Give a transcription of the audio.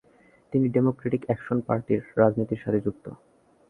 তিনি democratic action পার্টির রাজনীতির সাথে যুক্ত।